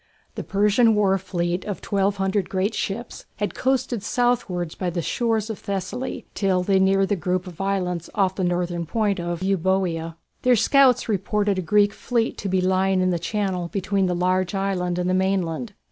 The Persian war fleet of 1200 great ships had coasted southwards by the shores of Thessaly till they neared the group of islands off the northern point of Euboea. Their scouts reported a Greek fleet to be lying in the channel between the large island and the mainland.